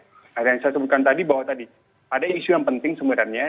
nah yang saya sebutkan tadi bahwa tadi ada isu yang penting sebenarnya